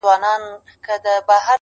په دربار کي که ولاړ ډنډه ماران وه!!